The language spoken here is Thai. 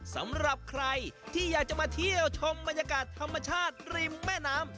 สำหรับใครที่อยากจะมาเที่ยวชมบรรยากาศธรรมชาติริมแม่น้ำ